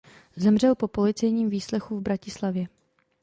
Zemřel po policejním výslechu v Bratislavě.